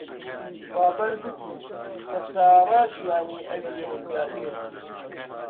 ڕابەر گوتی کە سارا ژیانی ئەوی ڕزگار کرد.